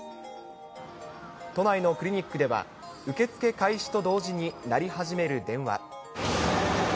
都内のクリニックでは、受け付け開始と同時に、鳴り始める電話。